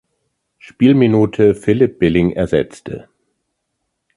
Spielminute Philip Billing ersetzte.